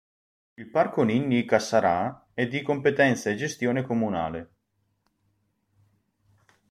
Il parco Ninni Cassarà è di competenza e gestione comunale.